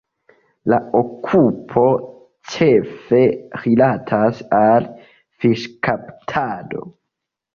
La okupo ĉefe rilatas al fiŝkaptado.